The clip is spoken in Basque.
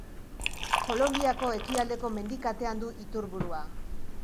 Kolonbiako Ekialdeko Mendikatean du iturburua.